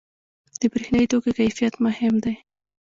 • د برېښنايي توکو کیفیت مهم دی.